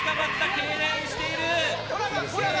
けいれんしている。